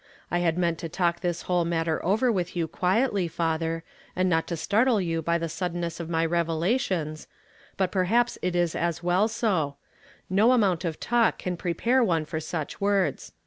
I had meant to talk this whole matter over with you quietly, father, and not to startle you by the suddenness of my revelations, but perhaps it is as well so ; no amount of talk can prepare one for such words.